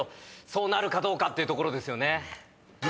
そうなるかどうかっていうところですよね。